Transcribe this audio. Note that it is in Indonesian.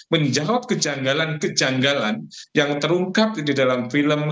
menjawab kejanggalan kejanggalan yang terungkap di dalam film